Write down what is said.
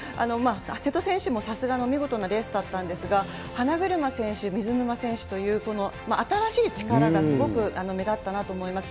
瀬戸選手もさすがの見事なレースだったんですが、花車選手、水沼選手というこの新しい力がすごく目立ったなと思います。